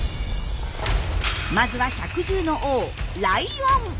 まずは百獣の王ライオン。